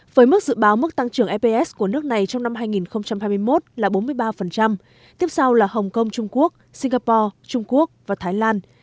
với mức dự báo mức tăng trưởng eps của nước này trong năm hai nghìn hai mươi một là bốn mươi ba tiếp sau là hồng kông trung quốc singapore trung quốc và thái lan